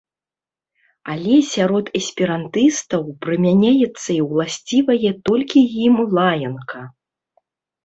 Але сярод эсперантыстаў прымяняецца і уласцівая толькі ім лаянка.